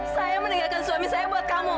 saya meninggalkan suami saya buat kamu